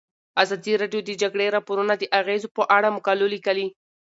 ازادي راډیو د د جګړې راپورونه د اغیزو په اړه مقالو لیکلي.